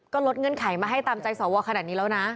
ก็ลดเงื่อนไขมาให้ตามใจสวขนาดนี้แล้วนะ